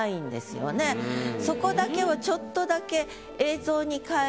そこだけをちょっとだけ。